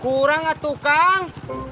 kurang tuh kang